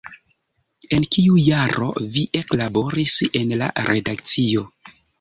En kiu jaro vi eklaboris en la redakcio?